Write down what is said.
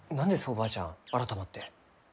おばあちゃん改まって。